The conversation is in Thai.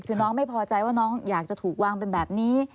คือน้องไม่พอใจว่าน้องอยากจะถูกวางเป็นแบบนี้